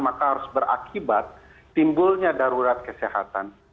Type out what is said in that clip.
maka harus berakibat timbulnya darurat kesehatan